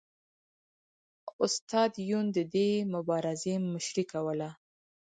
استاد یون د دې مبارزې مشري کوله